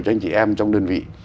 cho anh chị em trong đơn vị